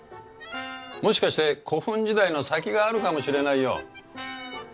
もしかして古墳時代の先があるかもしれないよ。